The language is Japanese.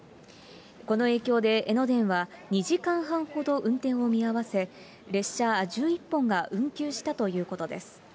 この影響で、江ノ電は２時間半ほど運転を見合わせ、列車１１本が運休したということです。